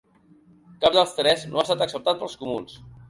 Cap dels tres no ha estat acceptat pels comuns.